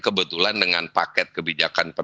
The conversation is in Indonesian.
kebetulan dengan paket kebijakannya